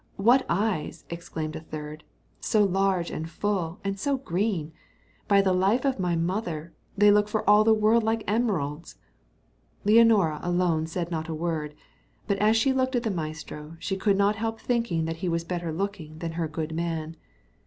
"What eyes!" exclaimed a third; "so large and full, and so green! By the life of my mother, they look for all the world like emeralds." Leonora alone said not a word; but as she looked at the maestro, she could not help thinking that he was better looking than her good man.